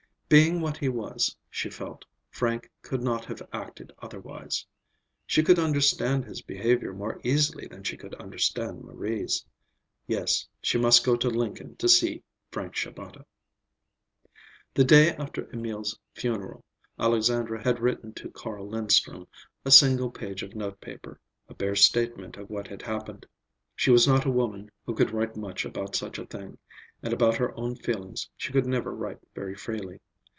Being what he was, she felt, Frank could not have acted otherwise. She could understand his behavior more easily than she could understand Marie's. Yes, she must go to Lincoln to see Frank Shabata. The day after Emil's funeral, Alexandra had written to Carl Linstrum; a single page of notepaper, a bare statement of what had happened. She was not a woman who could write much about such a thing, and about her own feelings she could never write very freely.